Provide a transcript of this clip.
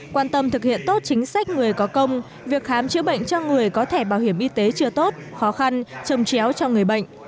quan tâm thực hiện tốt chính sách người có công việc khám chữa bệnh cho người có thẻ bảo hiểm y tế chưa tốt khó khăn trồng chéo cho người bệnh